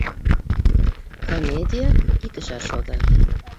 Комедия, ике шаршауҙа